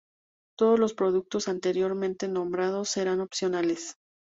Todos los productos anteriormente nombrados serán opcionales.